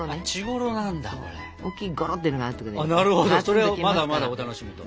それはまだまだお楽しみと。